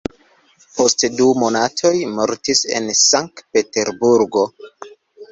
Post du monatoj mortis en Sank-Peterburgo.